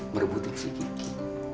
merebutin si kiki